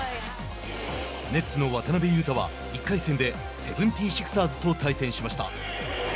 ネッツの渡邊雄太は、１回戦でセブンティシクサーズと対戦しました。